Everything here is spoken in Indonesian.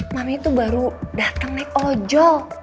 mami tuh baru datang naik ojol